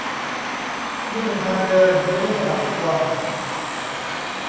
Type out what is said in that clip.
นี่เป็นทางเดินไม่ใช่สนามฟุตบอล